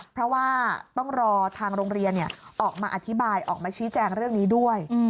เพราะว่าต้องรอทางโรงเรียนออกมาอธิบายออกมาชี้แจงเรื่องนี้ด้วย